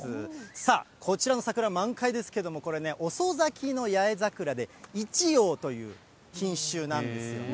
さあ、こちらの桜、満開ですけれども、これね、遅咲きの八重桜で、一葉という品種なんですよね。